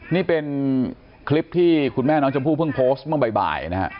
นี่เป็นคลิปที่คุณแม่น้องชมพู่เพิ่งโพสต์เมื่อบ่ายนะฮะ